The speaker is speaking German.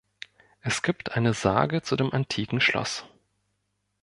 Es gibt eine Sage zu dem antiken Schloss.